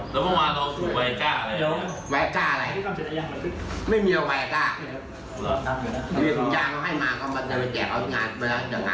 แล้วขอแชร์มากินค่ะ